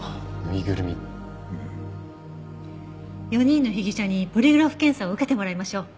４人の被疑者にポリグラフ検査を受けてもらいましょう。